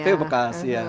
vw bekas ya